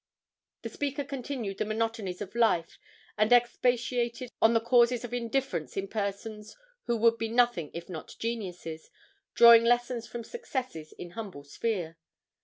The speaker considered the monotonies of life, and expatiated on the causes of indifference in persons who would be nothing if not geniuses, drawing lessons from successes in humble sphere.